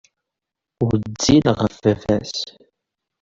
Wezzil ɣef baba-s.